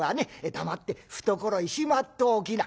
黙って懐にしまっておきな」。